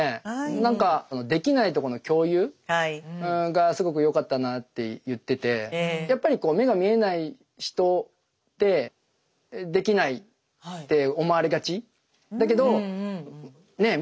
何かできないとこの共有？がすごくよかったなあって言っててやっぱりこう目が見えない人ってできないって思われがちだけどねえ？